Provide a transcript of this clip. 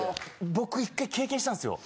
僕１回経験したんですよ。